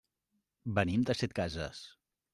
Venim de Setcases.